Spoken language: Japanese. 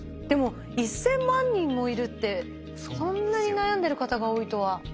でも１，０００万人もいるってそんなに悩んでる方が多いとは。